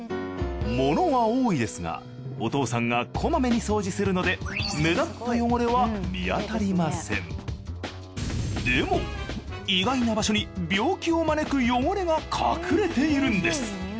物は多いですがお父さんがこまめに掃除するのででも意外な場所に病気を招く汚れが隠れているんです。